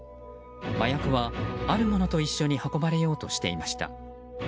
麻薬はあるものと一緒に運ばれようとしていました。